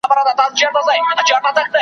په سپینه ورځ درته راځم د دیدن غل نه یمه .